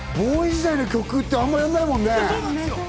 ＢＯＯＷＹ時代の曲ってあんまりやんないもんね。